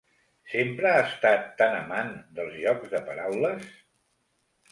Sempre ha estat tan amant dels jocs de paraules?